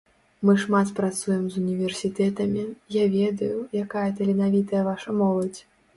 Мы шмат працуем з універсітэтамі, я ведаю, якая таленавітая ваша моладзь.